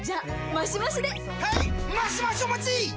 マシマシお待ちっ！！